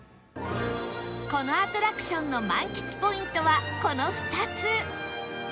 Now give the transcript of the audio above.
このアトラクションの満喫ポイントはこの２つ